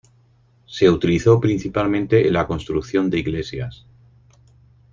Se utilizó principalmente en la construcción de iglesias.